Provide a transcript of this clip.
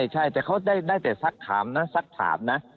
ใช่แต่เขาได้แต่สักถามนะสักถามนะ